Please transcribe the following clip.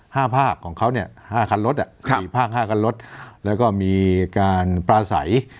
ภาคของเขาเนี่ยห้าคันรถอ่ะสี่ภาคห้าคันรถแล้วก็มีการปลาใส